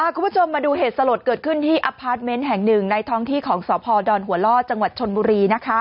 คุณผู้ชมมาดูเหตุสลดเกิดขึ้นที่อพาร์ทเมนต์แห่งหนึ่งในท้องที่ของสพดอนหัวล่อจังหวัดชนบุรี